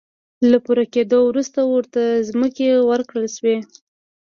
له پوره کېدو وروسته ورته ځمکې ورکړل شوې.